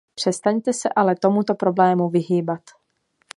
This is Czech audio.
Přestaňte se ale tomuto problému vyhýbat.